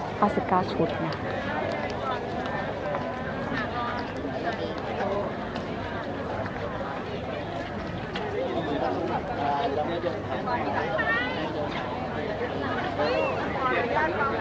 อาศักดิ์กาสธุรกิจ